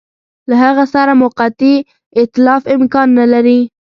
له هغه سره موقتي ایتلاف امکان نه لري.